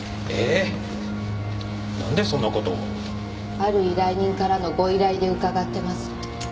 ある依頼人からのご依頼で伺ってます。